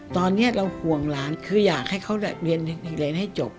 ตอนนี้เราห่วงร้านคืออยากให้เขาเรียนอีกเรียนให้จบ